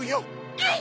はい！